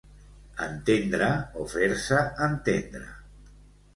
Entendre o fer-se entendre.